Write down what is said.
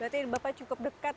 berarti bapak cukup dekat